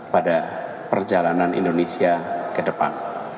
pada perjalanan indonesia ke depan